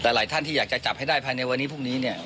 แต่หลายท่านที่อยากจะจับให้ได้ภายในวันนี้พรุ่งนี้เนี่ย